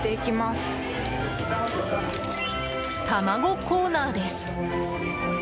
卵コーナーです。